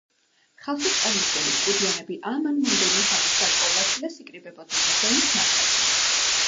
ხალხის წარმოდგენით კუდიანები ამ ან მომდევნო ღამეს გარკვეულ ადგილას იკრიბებოდნენ და ზეიმს მართავდნენ.